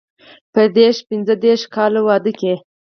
په دیرش پنځه دېرش کاله واده کې.